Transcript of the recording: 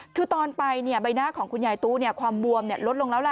คือตอนไปใบหน้าของคุณยายตู้ความบวมลดลงแล้วล่ะ